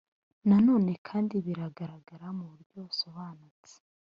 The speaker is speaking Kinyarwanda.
nanone kandi biragaragara mu buryo busobanutse